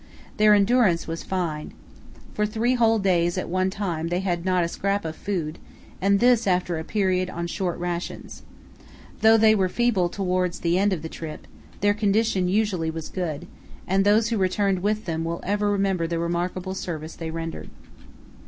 Their endurance was fine. For three whole days at one time they had not a scrap of food, and this after a period on short rations. Though they were feeble towards the end of the trip, their condition usually was good, and those who returned with them will ever remember the remarkable service they rendered.